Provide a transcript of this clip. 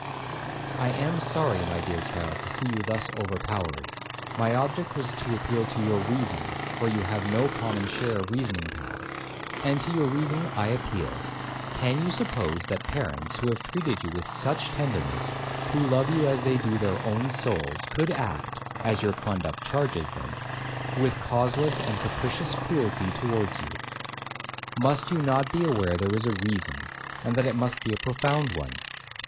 'I am sorry, my dear child, to see you thus overpowered; my object was to appeal to your reason, (for you have no common share of reasoning power),—and to your reason I appeal;—can you suppose that parents, who have treated you with such tenderness, who love you as they do their own souls, could act (as your conduct charges them) with causeless and capricious cruelty towards you? Must you not be aware there is a reason, and that it must be a profound one?